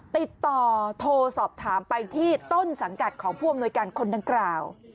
ติดต่อโทรสอบถามไปที่ต้นสังกัดของผู้อำนวยการคนดังกล่าว